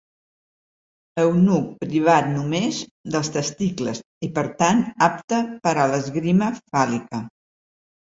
Eunuc privat només dels testicles i, per tant, apte per a l'esgrima fàl·lica.